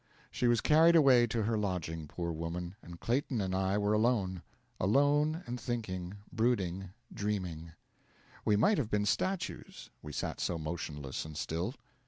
She was carried away to her lodging, poor woman, and Clayton and I were alone alone, and thinking, brooding, dreaming. We might have been statues, we sat so motionless and still.